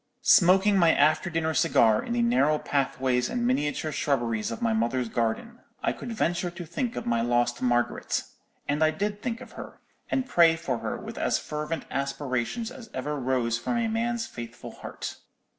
"Smoking my after dinner cigar in the narrow pathways and miniature shrubberies of my mother's garden, I could venture to think of my lost Margaret; and I did think of her, and pray for her with as fervent aspirations as ever rose from a man's faithful heart.